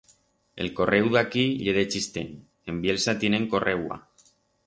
El correu d'aquí ye de Chistén, en Bielsa tienen correua.